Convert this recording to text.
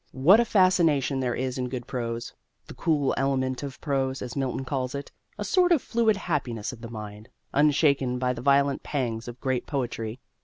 What a fascination there is in good prose "the cool element of prose" as Milton calls it a sort of fluid happiness of the mind, unshaken by the violent pangs of great poetry.